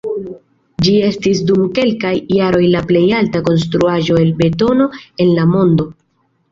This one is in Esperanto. Ĝi estis dum kelkaj jaroj la plej alta konstruaĵo el betono en la mondo.